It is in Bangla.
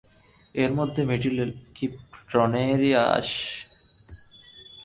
এরি মধ্যে মিটিল কি প্রণয়েরি আশ?